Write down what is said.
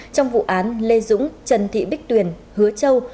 trong vụ án lê dũng trần thị bích tuyền hứa châu